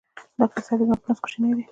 ډاکټر صېبې زما په نس کوچینی دی